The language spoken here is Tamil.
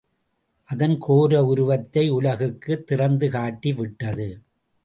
அதன் கோர உருவத்தை உலகுக்குத் திறந்துகாட்டி விட்டது.